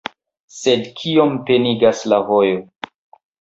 Sed kiom penigas la vojo..